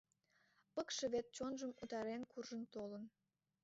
Пыкше вет чонжым утарен куржын толын!